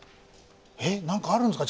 何かあるんですか？